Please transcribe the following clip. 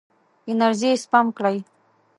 انرژي سپم کړئ.